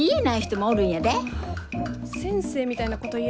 はあ先生みたいなこと言う。